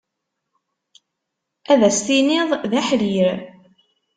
Ad as-tiniḍ d aḥrir.